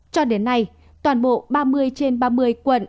cho đến nay toàn bộ ba mươi trên ba mươi quận